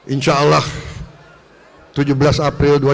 insya allah tujuh belas april dua ribu sembilan belas akan datang